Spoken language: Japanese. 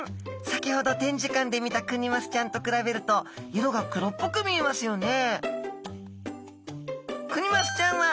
先ほど展示館で見たクニマスちゃんと比べると色が黒っぽく見えますよね。